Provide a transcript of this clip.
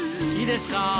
いいですか？